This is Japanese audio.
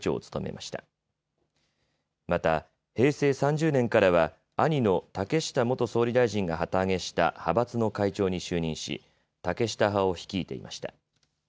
また、平成３０年からは兄の竹下元総理大臣が旗揚げした派閥の会長に就任し、竹下派を率いていました。